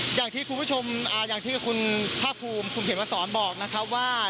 อย่างที่คุณผู้ชมอย่างที่คุณภาคภูมิคุณเขียนมาสอนบอกนะครับว่า